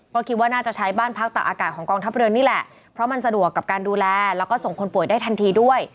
ก็คิดว่าน่าจะใช้บ้านพักตักอากาศของกองทัพเรือนี่แหละเพราะมันสะดวกกับการดูแลแล้วก็ส่งคนป่วยได้ทันทีด้วย